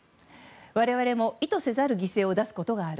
我々も意図せざる犠牲を出すことがある。